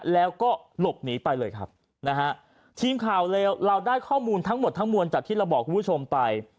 แล้วก็หลบหนีไปเลยครับนะฮะทีมข่าวเลยเราได้ข้อมูลทั้งหมดทั้งมวลจากที่เราบอกคุณผู้ชมไป